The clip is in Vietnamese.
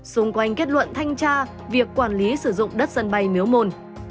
xung quanh kết luận thanh tra việc quản lý sử dụng đất sân bay miếu môn